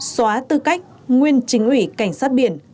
xóa tư cách nguyên chính ủy cảnh sát biển